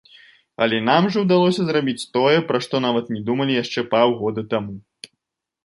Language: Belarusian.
Але нам жа ўдалося зрабіць тое, пра што нават не думалі яшчэ паўгода таму.